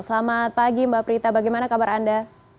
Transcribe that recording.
selamat pagi mbak prita bagaimana kabar anda